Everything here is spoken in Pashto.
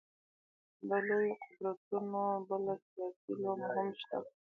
د لویو قدرتونو بله سیاسي لومه هم شته.